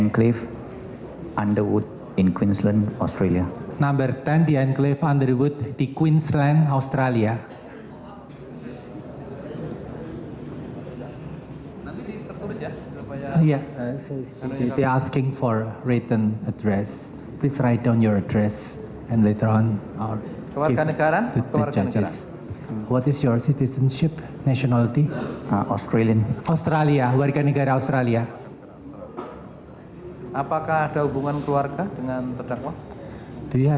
kemudian saya akan menggambarkan bahasa itu ke bahasa inggris untuk anda